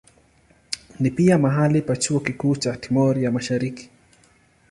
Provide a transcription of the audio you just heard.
Ni pia mahali pa chuo kikuu cha Timor ya Mashariki.